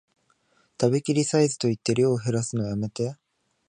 食べきりサイズと言って量へらすのやめて